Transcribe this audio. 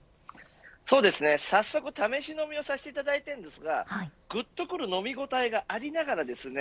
そうですね、早速試し飲みをさせてもらったんですがぐっとくる飲みごたえがありながらですね